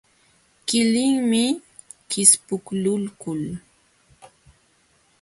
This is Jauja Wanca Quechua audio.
Qilinmi qisququlqun.